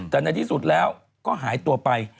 แต่ในที่สุดแล้วก็หายตัวไป